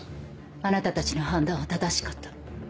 あなたたちの判断は正しかった。